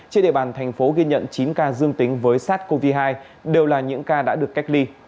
trên địa bàn thành phố ghi nhận chín ca dương tính với sars cov hai đều là những ca đã được cách ly